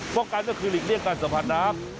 เพราะการเม็ดควอลิกเลี่ยงการสัมผัสนะครับ